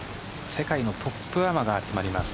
世界のトップアマが集まります